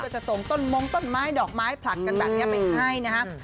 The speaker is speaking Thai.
จะส่งต้นมงต้นไม้ดอกไม้ผลัดกันแบบนี้ไปให้นะครับ